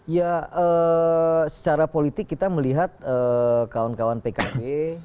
ya secara politik kita melihat kawan kawan pkb